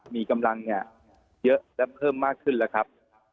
มีกำลังเนี่ยเยอะและเพิ่มมากขึ้นแล้วครับ